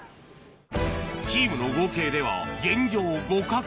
チームの合計では現状互角